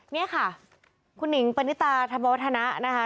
นี่ค่ะคุณหิงปณิตาธรรมวัฒนะนะคะ